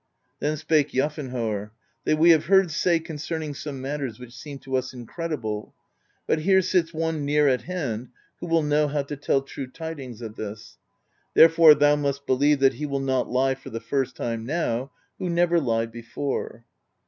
Then spake Jafnharr: "We have heard say con cerning some matters which seem to us incredible, but here sits one near at hand who will know how to tell true tidings of this. Therefore thou must believe that he will not lie for the first time now, who never lied before."